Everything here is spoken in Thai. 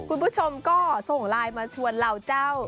คุณผู้ชมก็ส่งไลน์มาชวนเราเจ้า